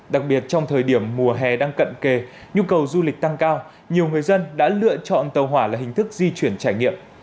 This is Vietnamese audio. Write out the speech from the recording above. đặc biệt trong thời điểm mùa hè đang cận kề nhu cầu du lịch tăng cao nhiều người dân đã lựa chọn tàu hỏa là hình thức di chuyển trải nghiệm